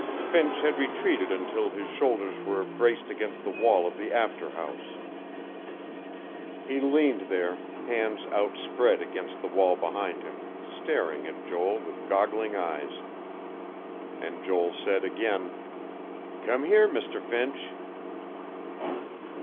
Finch had retreated until his shoulders were braced against the wall of the after house. He leaned there, hands outspread against the wall behind him, staring at Joel with goggling eyes. And Joel said again: "Come here, Mr. Finch."